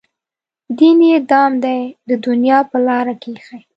دین یې دام دی د دنیا په لار کې ایښی.